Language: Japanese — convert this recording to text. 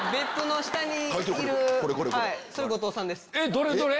どれどれ？